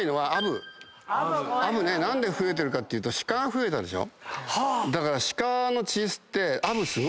アブ何で増えてるかっていうと鹿が増えたでしょ。